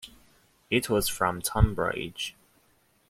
It was from Tunbridge.